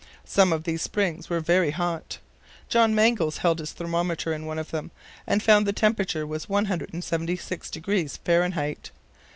Some of these springs were very hot. John Mangles held his thermometer in one of them, and found the temperature was 176 degrees Fahrenheit.